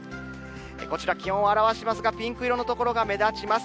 こちら、気温を表しますが、ピンク色の所が目立ちます。